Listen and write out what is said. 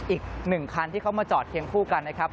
อีกหนึ่งคันที่เขามาจอดเคียงคู่กันนะครับ